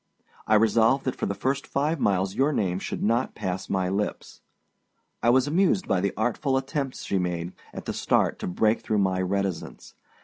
I resolved that for the first five miles your name should not pass my lips. I was amused by the artful attempts she made, at the start, to break through my reticence.